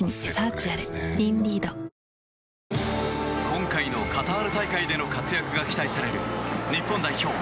今回のカタール大会での活躍が期待される日本代表